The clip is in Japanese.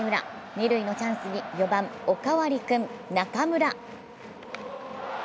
二塁のチャンスに４番、おかわり君・中村。